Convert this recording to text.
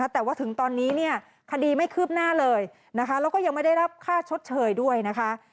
แต่ว่าถึงตอนนี้คดีไม่คืบหน้าเลยนะคะแล้วก็ยังไม่ได้รับค่าชดเชยด้วยนะคะ